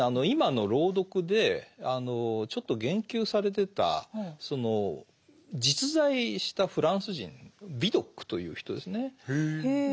今の朗読でちょっと言及されてた実在したフランス人ヴィドックという人ですね。へ。